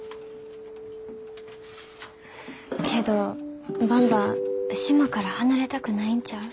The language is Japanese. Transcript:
けどばんば島から離れたくないんちゃう？